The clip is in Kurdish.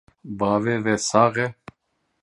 Bavê wê sax e?